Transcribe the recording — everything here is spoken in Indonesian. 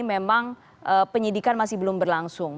memang penyidikan masih belum berlangsung